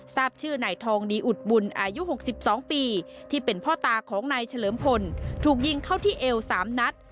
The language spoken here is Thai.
ทราบชื่อนายทองดีอุดบุญอายุ๖๒ปีที่เป็นพ่อตาของนายเฉลิมพลถูกยิงเข้าที่เอว๓นัด